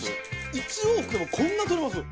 １往復でもこんな取れます。